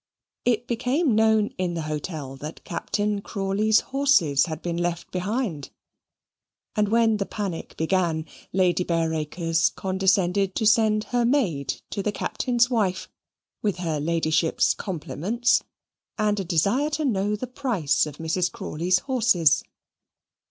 If became known in the hotel that Captain Crawley's horses had been left behind, and when the panic began, Lady Bareacres condescended to send her maid to the Captain's wife with her Ladyship's compliments, and a desire to know the price of Mrs. Crawley's horses.